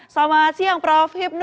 selamat siang prof hipnu